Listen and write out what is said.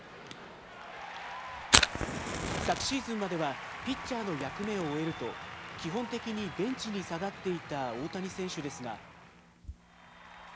昨シーズンまではピッチャーの役目を終えると、基本的にベンチに下がっていた大谷選手ですが。